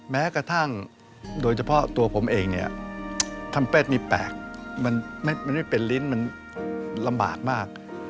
แม้กระทั่งโดยเฉพาะตัวผมเองเนี่ยทำเป็ดนี่แปลกมันไม่เป็นลิ้นมันลำบากมาก